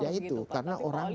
ya itu karena orangnya